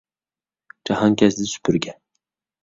جاھانكەزدى سۈپۈرگە